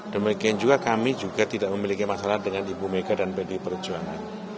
dan memiliki juga kami juga tidak memiliki masalah dengan ibu mega dan pdi perjuangan